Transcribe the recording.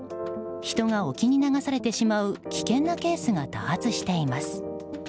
人が沖に流されてしまう危険なケースが多発しています。